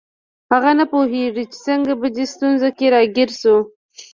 هغه نه پوهیده چې څنګه په دې ستونزه کې راګیر شو